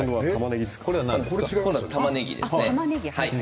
これは、たまねぎですね。